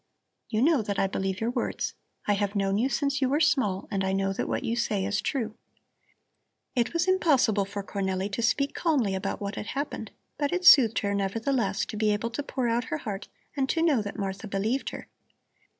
You know that I believe your words. I have known you since you were small, and I know that what you say is true." It was impossible for Cornelli to speak calmly about what had happened, but it soothed her, nevertheless, to be able to pour out her heart and to know that Martha believed her.